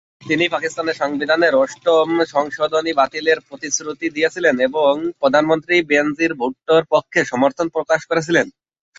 তিনি পাকিস্তানের সংবিধানের অষ্টম সংশোধনী বাতিলের প্রতিশ্রুতি দিয়েছিলেন এবং প্রধানমন্ত্রী বেনজির ভুট্টোর পক্ষে সমর্থন প্রকাশ করেছিলেন।